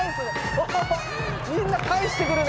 おみんなかえしてくるね。